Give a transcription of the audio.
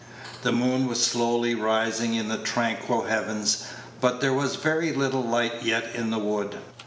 The moon was slowly rising in the tranquil heavens, but there was very little light yet in the wood.